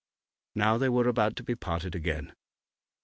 Now they were about to be parted again.